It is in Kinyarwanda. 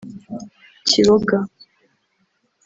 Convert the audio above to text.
Kiboga